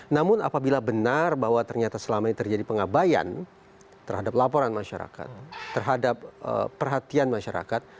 namun apabila benar bahwa ternyata selama ini terjadi pengabayan terhadap laporan masyarakat terhadap perhatian masyarakat